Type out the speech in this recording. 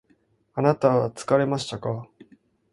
あなたは疲れましたか？